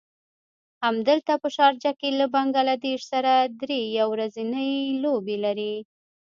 همدلته په شارجه کې له بنګله دېش سره دری يو ورځنۍ لوبې لري.